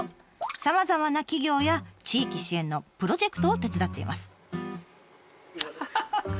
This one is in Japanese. さまざまな企業や地域支援のプロジェクトを手伝っています。